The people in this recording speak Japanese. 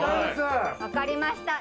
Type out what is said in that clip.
分かりました。